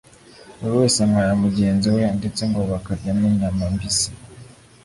buri wese anywa aya mugenzi we ndetse ngo bakarya n’inyama mbisi